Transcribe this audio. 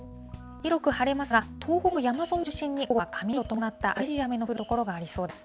広く晴れますが、東北も山沿いを中心に、午後は雷を伴った激しい雨の降る所がありそうです。